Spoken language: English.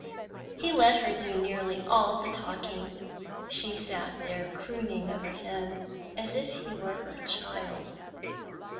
He let her do nearly all the talking. She sat there crooning over him as if he were her child.